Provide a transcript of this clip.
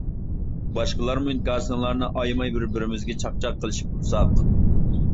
باشقىلارمۇ ئىنكاسىڭلارنى ئايىماي بىر بىرىمىزگە چاقچاق قىلىشىپ تۇرساق.